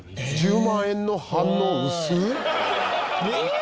「１０万円」の反応薄っ！